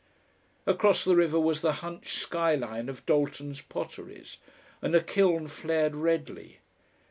Across the river was the hunched sky line of Doulton's potteries, and a kiln flared redly.